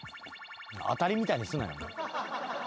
当たりみたいにすなよ。